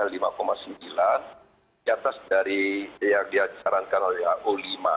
dan di atas dari yang disarankan oleh o lima